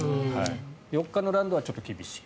４日のランドはちょっと厳しい。